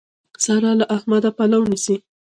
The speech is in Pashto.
سارا له احمده پلو نيسي.